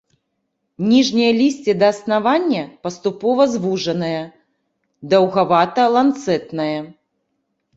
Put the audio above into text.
Ніжняе лісце ля аснавання паступова звужанае, даўгавата-ланцэтнае.